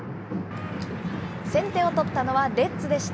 先手を取ったのは、レッズでした。